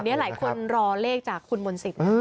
อยู่นี่หลายคนรอเลขจากคุณโมนสิต